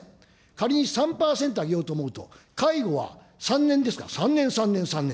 仮に３％上げようと思うと、介護は３年ですから、３年、３年、３年。